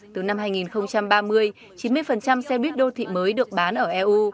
từ năm hai nghìn ba mươi chín mươi xe buýt đô thị mới được bán ở eu